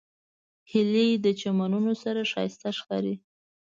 هیلۍ د چمنونو سره ښایسته ښکاري